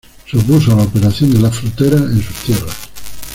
Se opuso a la operación de la frutera en sus tierras.